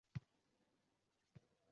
Sadqai inson degan nom ketgurlar.